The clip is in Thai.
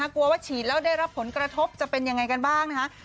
กลัวว่าฉีดแล้วได้รับผลกระทบจะเป็นยังไงกันบ้างนะคะ